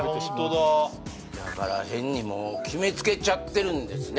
ホントだだから変にもう決めつけちゃってるんですね